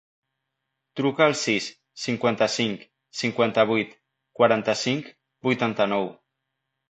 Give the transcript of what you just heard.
Truca al sis, cinquanta-cinc, cinquanta-vuit, quaranta-cinc, vuitanta-nou.